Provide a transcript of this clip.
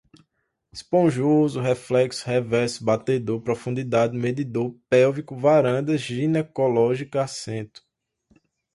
esponjoso, reflexos, reverso, batedor, profundidade, medidor, pélvico, varandas, ginecológica, assento